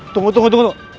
tunggu tunggu tunggu